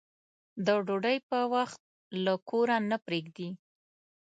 د ډوډۍ په وخت له کوره نه پرېږدي.